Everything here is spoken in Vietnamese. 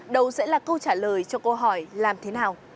đầu sẽ là câu trả lời cho câu hỏi làm thế nào